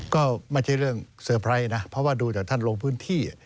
ก็ไม่ใช่เรื่องเซอร์ไพรส์นะเพราะว่าดูจากท่านลงพื้นที่